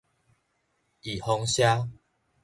預防射